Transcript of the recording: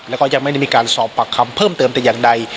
แล้วก็ยังไม่ได้มีการสอบปากคำเพิ่มเติมแต่อย่างใด